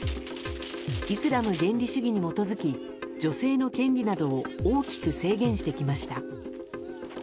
イスラム原理主義に基づき女性の権利などを大きく制限してきました。